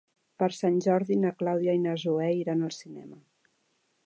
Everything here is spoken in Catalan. Per Sant Jordi na Clàudia i na Zoè iran al cinema.